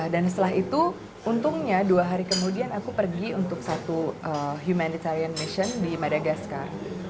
dan setelah itu untungnya dua hari kemudian aku pergi untuk satu humanitarian mission di madagaskar